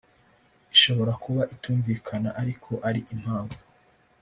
ishobora kuba itumvikana ariko ari impamvu